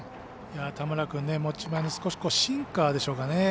田村君、持ち前の少しシンカーですかね。